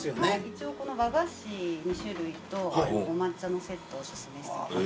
一応この和菓子２種類とお抹茶のセットをお薦めしております。